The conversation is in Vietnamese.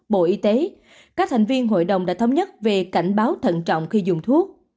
bộ y tế các thành viên hội đồng đã thống nhất về cảnh báo thận trọng khi dùng thuốc